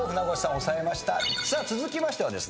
さあ続きましてはですね